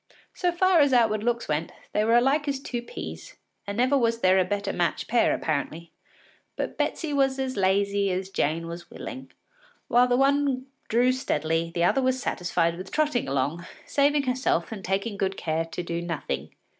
So far as outward looks went, they were as alike as two peas, and never was there a better matched pair apparently. But Betsy was as lazy as Jane was willing. While the one drew steadily, the other was satisfied with trotting along, saving herself and taking good care to do nothing.